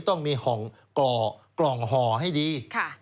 ต้องมีกล่องห่อให้ดี